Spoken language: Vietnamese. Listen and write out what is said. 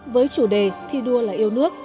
với chủ đề thi đua là yêu nước